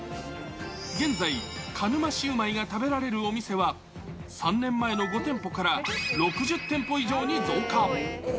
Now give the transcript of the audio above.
現在、鹿沼シウマイが食べられるお店は、３年前の５店舗から６０店舗以上に増加。